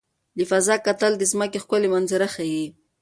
له فضا کتل د ځمکې ښکلي منظره ښيي.